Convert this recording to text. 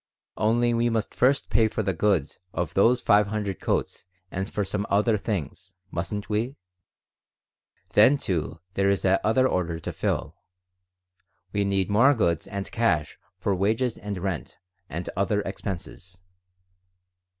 Only we must first pay for the goods of those five hundred coats and for some other things. Mustn't we? Then, too, there is that other order to fill. We need more goods and cash for wages and rent and other expenses.